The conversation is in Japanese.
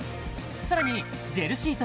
さらにジェルシート